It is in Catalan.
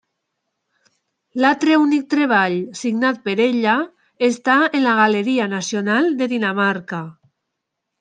L'altre únic treball signat per ella està en la Galeria Nacional de Dinamarca.